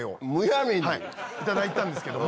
いただいてたんですけども。